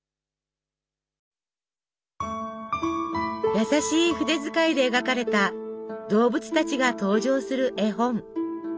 優しい筆遣いで描かれた動物たちが登場する絵本